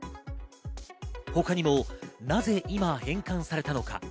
他にも、なぜ今返還されたのか？